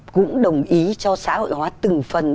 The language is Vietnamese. cũng đồng ý cho xã hội hóa từng phần